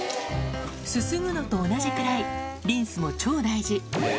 すすぐのと同じくらいリンスも超大事